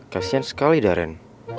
kasian sekali daren